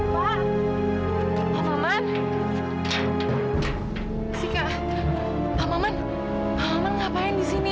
pa pak maman sika pak maman pak maman ngapain disini